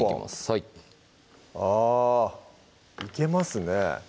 はいあいけますね